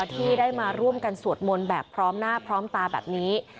ที่ได้มาร่วมกันสวดมนต์แบบพร้อมหน้าพร้อมตาแบบนี้